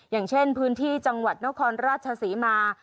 อย่างเช่นพื้นที่จังหวัดนครราชศรีมา